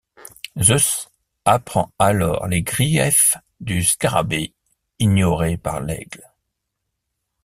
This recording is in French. Zeus apprend alors les griefs du scarabée ignorés par l’aigle.